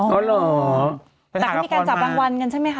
อ๋อหลอแต่ที่นี่การจับรางวัลใช่ไหมคะ